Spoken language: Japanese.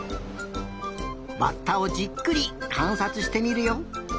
バッタをじっくりかんさつしてみるよ。